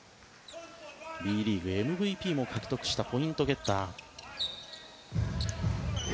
ＢリーグＭＶＰも獲得したポイントゲッター。